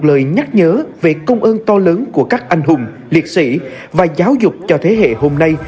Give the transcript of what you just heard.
lời nhắc nhớ về công ơn to lớn của các anh hùng liệt sĩ và giáo dục cho thế hệ hôm nay